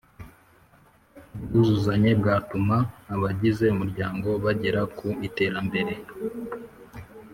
Ubwuzuzanye bwatuma abagize umuryango bagera ku iterambere